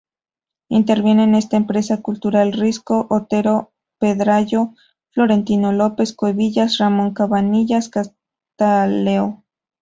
Intervienen en esta empresa cultural Risco, Otero Pedrayo, Florentino López Cuevillas, Ramón Cabanillas, Castelao...